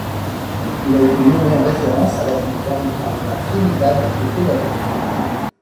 Il a été nommé en référence à la ville d'Arima, à Trinidad-et-Tobago.